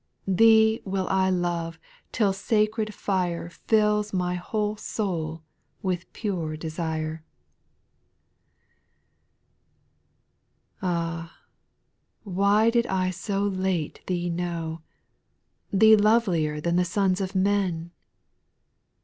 98 Thee will I love till sacred jfire rills my whole soul with pure desira 3./ Ah I why did I so late Thee know, Thee lovelier than the sons of men